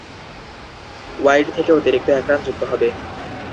Wide থেকে অতিরিক্ত এক রান যুক্ত হবে।